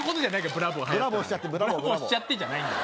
「ブラボーしちゃって」じゃないんだよ